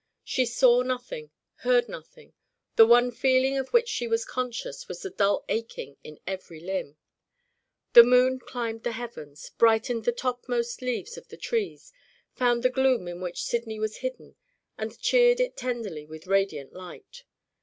She saw nothing, heard nothing; the one feeling of which she was conscious was a dull aching in every limb. The moon climbed the heavens, brightened the topmost leaves of the trees, found the gloom in which Sydney was hidden, and cheered it tenderly with radiant light.